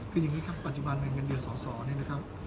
คือยังงี้ครับปัจจุบันเงินเงินเดือนสองนี่นะครับ